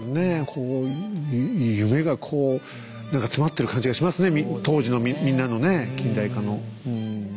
こう夢がこう何かつまってる感じがしますね当時のみんなのね近代化のうん。